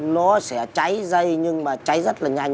nó sẽ cháy dây nhưng mà cháy rất là nhanh